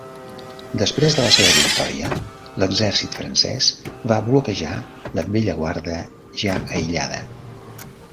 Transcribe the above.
Després de la seva victòria, l'exèrcit francès va bloquejar la Bellaguarda ja aïllada.